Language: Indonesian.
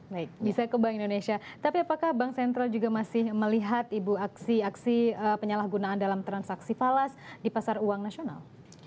baik bisa ke bank indonesia tapi apakah bank sentral juga masih melihat ibu aksi aksi penyalahgunaan dalam transaksi falas di pasar uang nasional